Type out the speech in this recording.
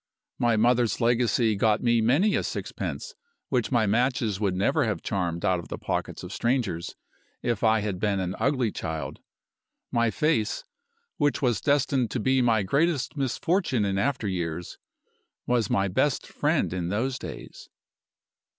My mother's legacy got me many a sixpence which my matches would never have charmed out of the pockets of strangers if I had been an ugly child. My face. which was destined to be my greatest misfortune in after years, was my best friend in those days.